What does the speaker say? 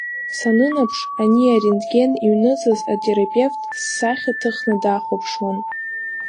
Санынаԥш, ани арентген иҩныҵыз атерапевт ссахьа ҭыхны дахәаԥшуан.